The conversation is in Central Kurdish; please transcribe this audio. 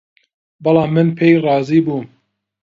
بەڵام من پێی رازی بووم